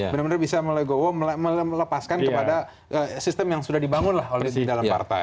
benar benar bisa melepaskan kepada sistem yang sudah dibangun lah di dalam partai